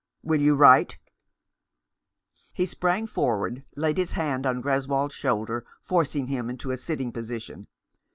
Will you write ?" He sprang forward, laid his hand on Greswold's shoulder, forcing him into a sitting position.